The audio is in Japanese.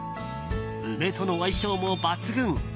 梅との相性も抜群。